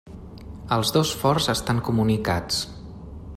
Els dos forts estan comunicats.